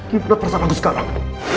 gimana perasaan aku sekarang